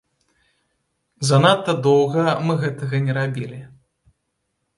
Занадта доўга мы гэтага не рабілі.